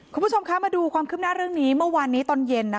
คุณผู้ชมคะมาดูความคืบหน้าเรื่องนี้เมื่อวานนี้ตอนเย็น